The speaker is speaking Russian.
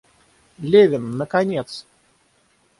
Левин, наконец!